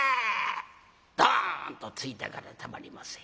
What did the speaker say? ドンとついたからたまりません。